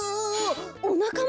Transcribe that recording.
おなかも！？